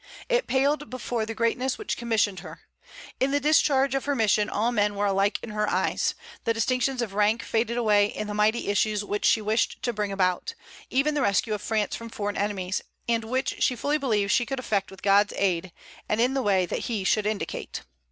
It paled before the greatness which commissioned her. In the discharge of her mission all men were alike in her eyes; the distinctions of rank faded away in the mighty issues which she wished to bring about, even the rescue of France from foreign enemies, and which she fully believed she could effect with God's aid, and in the way that He should indicate.